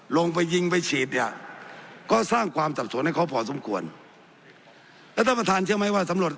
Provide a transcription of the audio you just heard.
ลงไปยิงไปฉีดก็สร้างความรวมของเขาพอสมควรแล้วเธอประทานเชิญไหมว่าสำรวจ